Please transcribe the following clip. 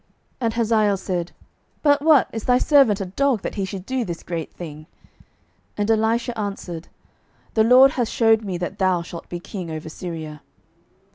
12:008:013 And Hazael said, But what, is thy servant a dog, that he should do this great thing? And Elisha answered, The LORD hath shewed me that thou shalt be king over Syria.